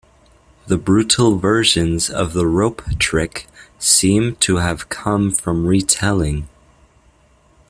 The brutal versions of the rope trick seem to have come from retelling.